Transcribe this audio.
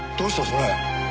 それ。